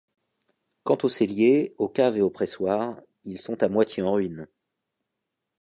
Quant aux celliers, aux caves et aux pressoirs, ils sont à moitié en ruine.